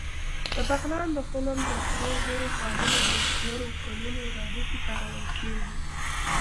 د بغلان د خلم د سرو زرو کانونه د زرو کلونو راهیسې کارول کېږي